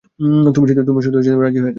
তুমি শুধু রাজি হয়ে যাও।